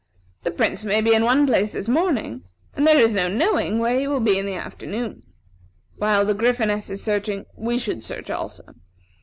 The Prince may be in one place this morning, and there is no knowing where he will be in the afternoon. While the Gryphoness is searching, we should search also.